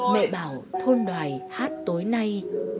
mẹ bảo thôn đoài hát tối nay